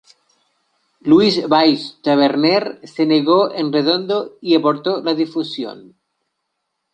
Luis Valls-Taberner se negó en redondo y abortó la fusión.